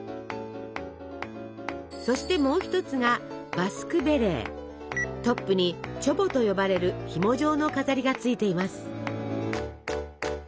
そしてもう一つがトップに「チョボ」と呼ばれるひも状の飾りがついています。